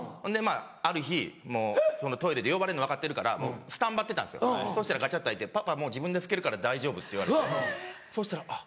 ある日トイレで呼ばれるの分かってるからスタンバってたんですよそしたらガチャっと開いて「パパもう自分で拭けるから大丈夫」って言われてそしたらあっ